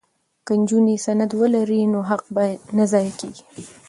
که نجونې سند ولري نو حق به نه ضایع کیږي.